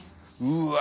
うわ。